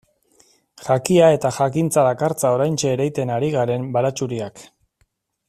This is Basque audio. Jakia eta jakintza dakartza oraintxe ereiten ari garen baratxuriak.